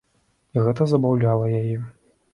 І гэта забаўляла яе.